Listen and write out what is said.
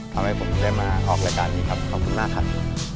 ทำให้ผมได้มาออกรายการนี้ครับขอบคุณมากครับ